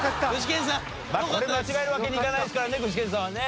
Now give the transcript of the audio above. これ間違えるわけにいかないですからね具志堅さんはね。